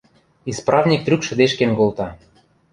Исправник трӱк шӹдешкен колта.